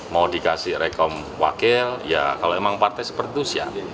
mau dikasih rekom wakil ya kalau emang partai seperti itu siap